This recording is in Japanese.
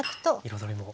彩りも。